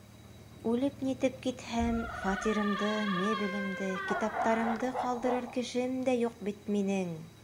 Үлеп-нитеп китһәм, фатирымды, мебелемде, китаптарымды ҡалдырыр кешем дә юҡ бит минең!